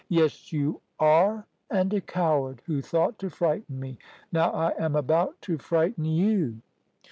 "Yes, you are, and a coward, who thought to frighten me. Now I am about to frighten you."